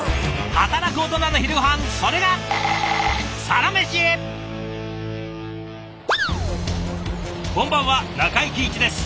働くオトナの昼ごはんそれがこんばんは中井貴一です。